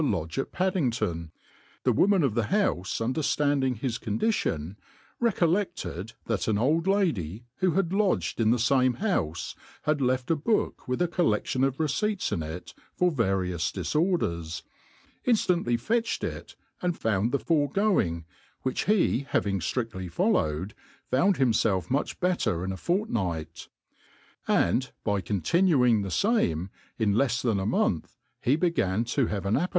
lodg^ a( Paddingcqn : the wgman pf tbe boufe underftanding hi? CQ;)dition, r/:collp£led that^n old Udy, w^o had lodged in the fame haufe, had left a book with a con'e<Sllof\ of receipts in it for'' various diforders ; inftantly fec^rbed it, and (icxupd tkt foregoing, which he having ftri^^ly fpllpw^d^ fovind himC? Jf ijiucb better in ^ fortnight; and^ by CQntio.uing.thcj fame, in lefs tbani a month he began to bav^ an a^p.